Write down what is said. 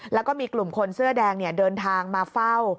แล้วก็มีกลุ่มคนเสื้อแดงเดินทางมาเฝ้า